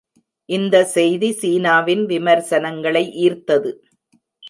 இந்த செய்தி சீனாவின் விமர்சனங்களை ஈர்த்தது.